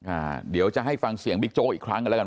อ่าเดี๋ยวจะให้ฟังเสียงอีกครั้งอีกแล้วกัน